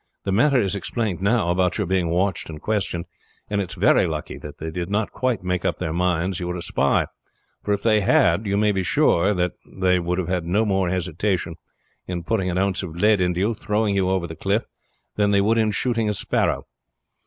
"The matter is explained now about your being watched and questioned, and it is very lucky that they did not quite make up their minds you were a spy; for if they had you may be sure they would have had no more hesitation in putting an ounce of lead into you, and throwing you over the cliff, than they would in shooting a sparrow.